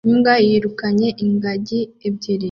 Imbwa yirukanye ingagi ebyiri